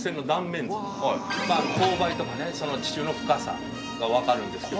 勾配とかね地中の深さが分かるんですけど。